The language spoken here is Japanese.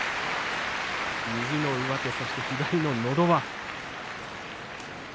右の上手、そして左ののど輪。